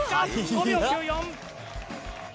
５秒９４。